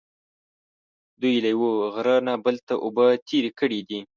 دوی له یوه غره نه بل ته اوبه تېرې کړې دي.